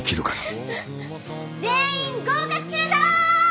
全員合格するぞ！